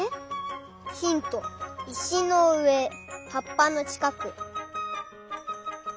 ヒントいしのうえはっぱのちかく。